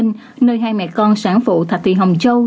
nơi hai mẹ con sản phụ thạch thị hồng châu